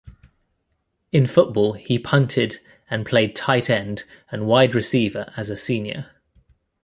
In football, he punted and played tight end and wide receiver as a senior.